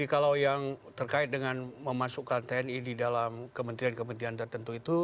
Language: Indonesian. jadi kalau yang terkait dengan memasukkan tni di dalam kementerian kementerian tertentu itu